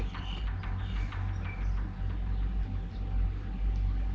นี่